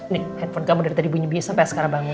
nih handphone kamu dari tadi bunyi biasa sampai sekarang bangun